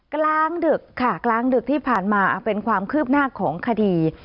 กลางดึกค่ะกลางดึกที่ผ่านมาเป็นความคืบหน้าของคดี